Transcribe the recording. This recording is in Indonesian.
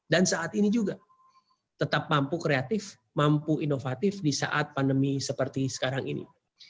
dan saat ini juga tetap mampu kreatif mampu inovatif di saat pandemi seperti sekarang ini